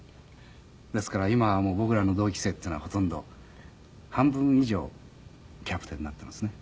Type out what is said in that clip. ですから今はもう僕らの同期生っていうのはほとんど半分以上キャプテンになっていますね。